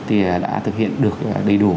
thì đã thực hiện được đầy đủ